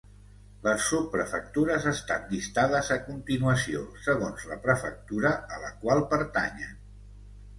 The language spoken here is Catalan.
Les subprefectures estan llistades a continuació segons la prefectura a la qual pertanyen.